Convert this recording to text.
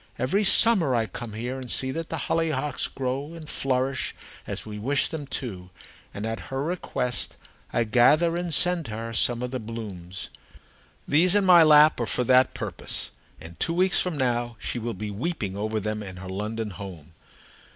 Every summer I come here and see that the hollyhocks grow and flourish as we wish them to; and, at her request, I gather and send to her some of the blooms. These in my lap are for that purpose, and two weeks from now she will be weeping over them in her London home.